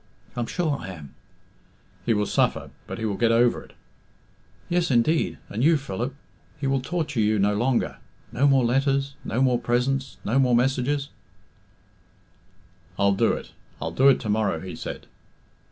"I'm sure I am." "He will suffer, but he will get over it." "Yes, indeed. And you, Philip he will torture you no longer. No more letters, no more presents, no more messages " "I'll do it I'll do it to morrow," he said.